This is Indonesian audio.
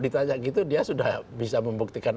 ditanya gitu dia sudah bisa membuktikan